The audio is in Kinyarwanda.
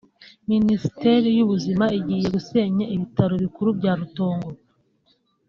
Minisiteri y’Ubuzima igiye gusenya ibitaro bikuru bya Rutongo